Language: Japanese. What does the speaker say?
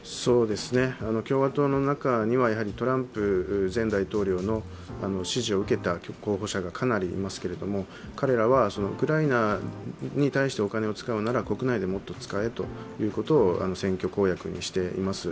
共和党の中にはトランプ前大統領の支持を受けた候補者がかなりいますけれども、彼らはウクライナに対してお金を使うなら国内でもっと使えということを選挙公約にしています。